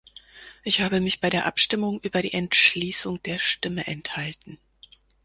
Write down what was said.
Ich habe mich bei der Abstimmung über die Entschließung der Stimme enthalten.